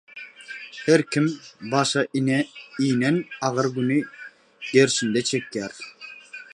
Her kim, başa inen agyr güni gerşinde çekýär.